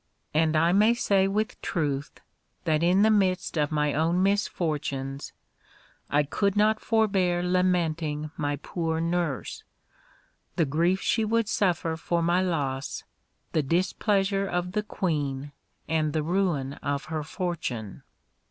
And I may say with truth, that in the midst of my own misfortunes I could not forbear lamenting my poor nurse, the grief she would suffer for my loss, the displeasure of the queen, and the ruin of her fortune.